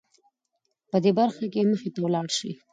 په دې برخه کې مخته ولاړه شې .